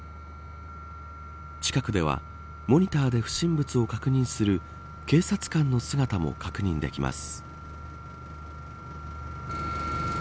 近くではモニターで不審物を確認する警察官の姿も確認できます。